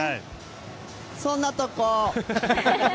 そんなとこ。